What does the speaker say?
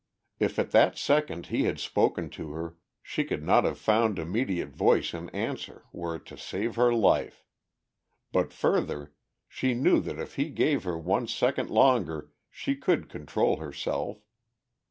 if at that second he had spoken to her she could not have found immediate voice in answer were it to save her life. But further, she knew that if he gave her one second longer she could control herself.